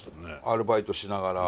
アルバイトしながら。